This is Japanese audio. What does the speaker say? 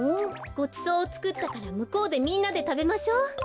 ごちそうをつくったからむこうでみんなでたべましょう。